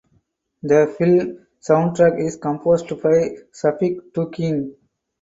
The film soundtrack is composed by Shafiq Tuhin.